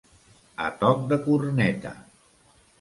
A toc de corneta.